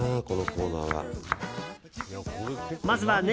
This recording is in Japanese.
このコーナーは。